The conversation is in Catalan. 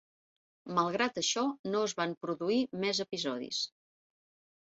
Malgrat això, no es van produir més episodis.